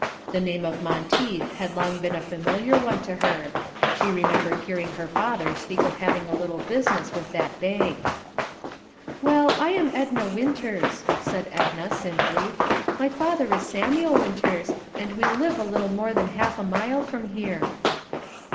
The name of Monteith had long been a familiar one to her; she remembered hearing her father speak of having a little business with that bank. "Well, I am Edna Winters," said Edna simply. "My father is Samuel Winters, and we live a little more than half a mile from here."